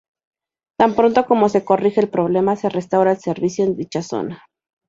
Tan pronto como se corrige el problema, se restaura el servicio en dicha zona.